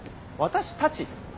私たち？